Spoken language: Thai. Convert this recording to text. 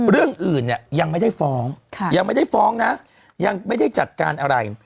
เรื่องอื่นเนี่ยยังไม่ได้ฟ้องยังไม่ได้ฟ้องนะยังไม่ได้จัดการอะไร